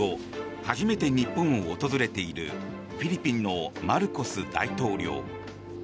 初めて日本を訪れているフィリピンのマルコス大統領。